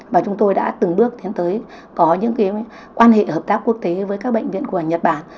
và chúng tôi đã từng bước tiến tới có những quan hệ hợp tác quốc tế với các bệnh viện của nhật bản